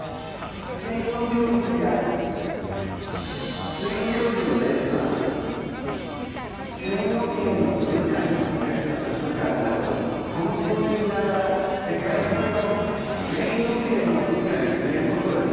スペイン政府がつくったスペイン語圏の文化に特化した図書館など東京にいながら世界中のスペイン語圏の文化にふれることができるの。